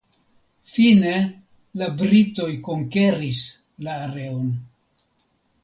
Fine la britoj konkeris la areon.